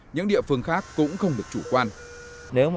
những địa phương khác cũng không được chủ quan